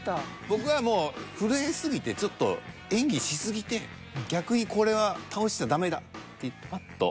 僕はもう震え過ぎてちょっと演技し過ぎて逆にこれは倒したらダメだってパッと。